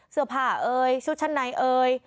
เสื้อผ้าเอ่ยชุดชั้นในเอ่ย